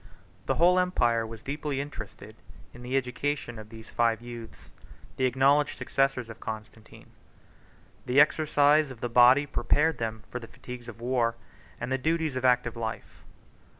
—M.] The whole empire was deeply interested in the education of these five youths, the acknowledged successors of Constantine. The exercise of the body prepared them for the fatigues of war and the duties of active life.